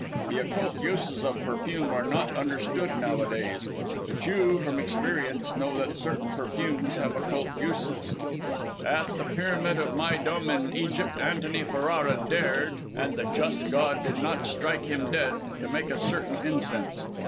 The occult uses of perfume are not understood nowadays; but you, from experience, know that certain perfumes have occult uses. At the Pyramid of Méydûm in Egypt, Antony Ferrara dared and the just God did not strike him dead to make a certain incense.